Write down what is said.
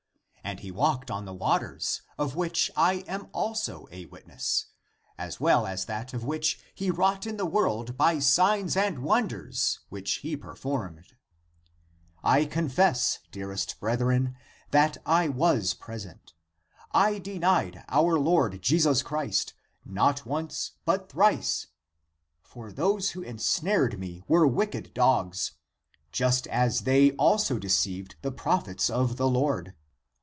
And he walked on the wa ters, of which I am also a witness as well as of that which he wrought in the world by signs and won ders which he performed. I confess, dearest breth ren, that I was present; I denied our Lo d Jcsns 70 THE APOCRYPHAL ACTS Christ, not once, but thrice ; for those who ensnared me were wicked dogs, just as they (also deceived) the prophets of the Lord.